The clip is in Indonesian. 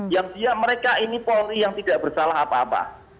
yang mereka ini polri yang tidak bersalah apa apa